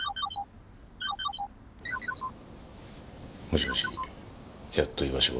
もしもし。